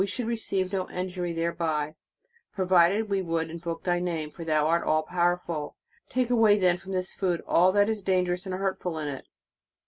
should receive no injury thereby, provided we would invoke thy name, for thou art all powerful. Take away, then, from this food all that is dangerous and hurtful in it."